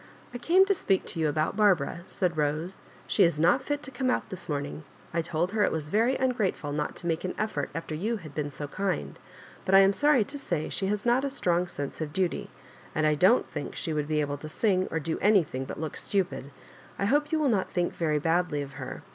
"I came to speak to you about Barbara," said Bose. " She is not fit to come out this morning. I told her it was very ungrateful not to make an effort after you had been so kind; but I am sorry to say she has not a strong ^ense of duty ; and I don't think she would be able to sing or do anything but look stupid. I hope you will not think very badly of her.